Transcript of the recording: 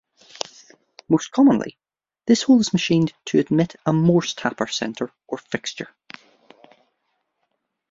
Most commonly, this hole is machined to admit a Morse taper center or fixture.